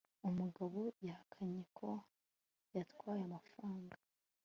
umugabo yahakanye ko yatwaye amafaranga